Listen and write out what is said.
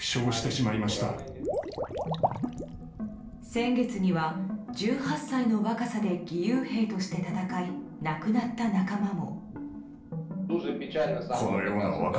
先月には１８歳の若さで義勇兵として戦い亡くなった仲間も。